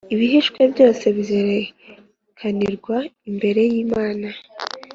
ibihishwe byose bizerekanirwa imbere y’imana